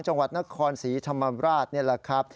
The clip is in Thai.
จังหวัดนครศรีธรรมราชนี่แหละครับ